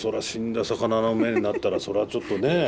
死んだ魚の目になったらそれはちょっとね。